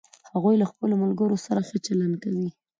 هغوی له خپلوملګرو سره ښه چلند کوي